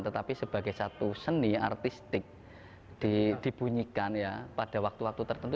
tetapi sebagai satu seni artistik dibunyikan ya pada waktu waktu tertentu